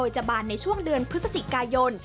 จะบานในช่วงเดือนพฤศจิกายน